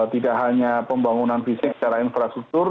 tidak hanya pembangunan fisik secara infrastruktur